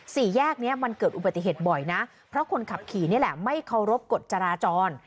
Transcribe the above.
สี่แยกนี้มันเกิดอุบัติเหตุบ่อยนะเพราะคนขับขี่นี่แหละไม่เคารพกฎจราจร